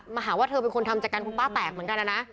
มาหาว่าเธอเป็นคนทำจากการคุณป้าแตกเหมือนกันนะ